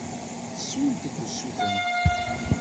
Ttessunt-d usuten.